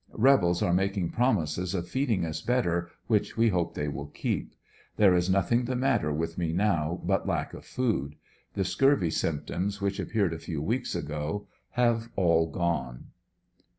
Rebels are making promises of feeding us better, which we hope they will keep. There is nothing the matter with me now but lack of food. The scurvy symptoms which appeared a few weeks ago have all gone.